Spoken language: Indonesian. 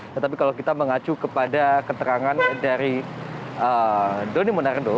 tetapi kalau kita mengacu kepada keterangan dari doni monardo